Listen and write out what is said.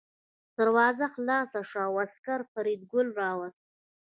دروازه خلاصه شوه او عسکر فریدګل راوست